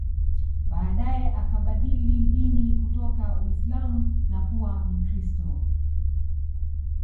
Baadae akabadili dini kutoka Uislam na kuwa Mkristo